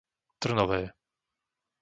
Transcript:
Trnové